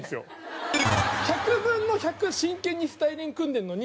１００分の１００真剣にスタイリング組んでるのに。